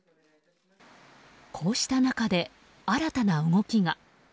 こうした中で、新たな動きが。